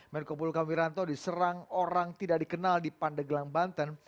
menko buluka wiranto diserang orang tidak dikenal di pandeglang banten